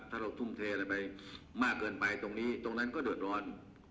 ถ้าเราทุ่มเทอะไรไปมากเกินไปตรงนี้ตรงนั้นก็เดือดร้อน